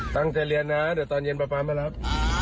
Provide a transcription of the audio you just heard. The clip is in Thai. ตั้งใจเรียนนะเดี๋ยวตอนเย็นป๊ามารับ